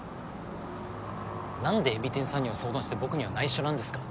何で海老天さんには相談して僕にはないしょなんですか？